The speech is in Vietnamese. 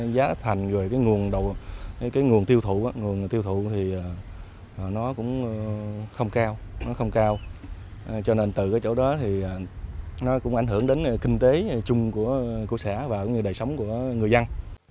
giá thành về cái nguồn tiêu thụ thì nó cũng không cao cho nên từ cái chỗ đó thì nó cũng ảnh hưởng đến kinh tế chung của cổ xã và đại sống của người dân